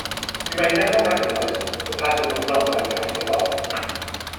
You may now recognized the pattern of number counting above.